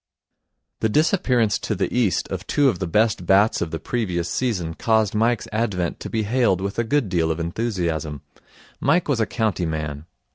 The disappearance to the East of two of the best bats of the previous season caused Mike's advent to be hailed with a good deal of enthusiasm. Mike was a county man.